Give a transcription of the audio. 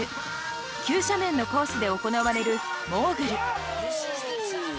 急斜面のコースで行われるモーグル。